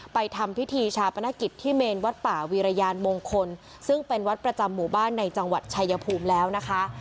ทำพิธีชาปนกิจที่เมนวัดป่าวีรยานมงคลซึ่งเป็นวัดประจำหมู่บ้านในจังหวัดชายภูมิแล้วนะคะ